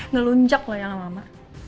ngeluncak lo ya mama